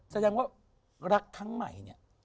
แสดงว่ารักครั้งใหม่เนี่ย